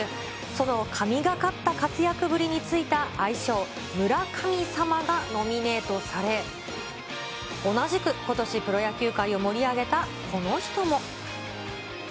その神がかった活躍ぶりについた愛称、村神様がノミネートされ、同じくことしプロ野球界を盛り上げたこの人も。